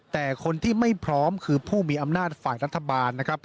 แต่คนที่ไม่พร้อมคือผู้มีอำนาจฝ่ายรัฐบาลนะครับ